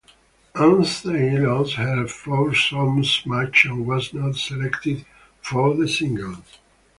Anstey lost her foursomes match and was not selected for the singles.